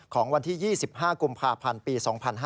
ของวันที่๒๕กุมภาพันธ์ปี๒๕๕๙